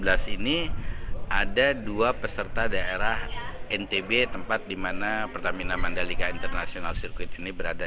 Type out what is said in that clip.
ada dua peserta daerah ntb tempat dimana pertamina mandalika international circuit ini berada